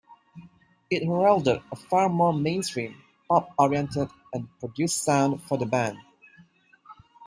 It heralded a far more mainstream, pop-oriented and produced sound for the band.